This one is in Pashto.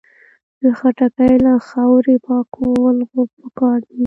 خټکی له خاورې پاکول پکار دي.